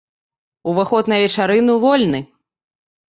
Уваход на вечарыну вольны!